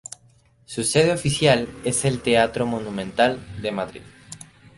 Su sede oficial es el Teatro Monumental de Madrid.